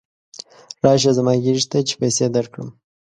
راشه زما غېږې ته چې پیسې درکړم.